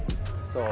そう。